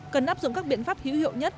cần áp dụng các biện pháp hữu hiệu nhất